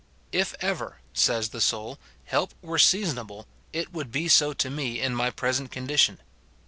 " If ever," says the soul, " help were seasonable, it would be so to mo in my present condition.